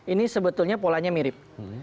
ini sebetulnya polanya mirip